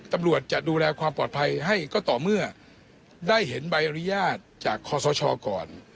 ตำรวจจะดูแลความปลอดภัยให้ก็ต่อเมื่อได้เห็นใบอนุญาตจากคอสชก่อน